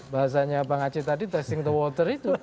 bahasanya bang aceh tadi testing the water itu